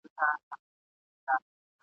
راته یاده مي کیسه د مولوي سي ..